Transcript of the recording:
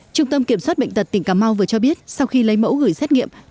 trung tâm kiểm soát bệnh tật tỉnh cà mau vừa cho biết sau khi lấy mẫu gửi xét nghiệm